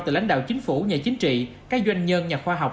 từ lãnh đạo chính phủ nhà chính trị các doanh nhân nhà khoa học